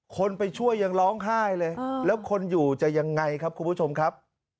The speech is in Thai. คนไปช่วยยังร้องไห้เลยแล้วคนอยู่จะยังไงครับคุณผู้ชมครับ